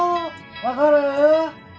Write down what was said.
分かる？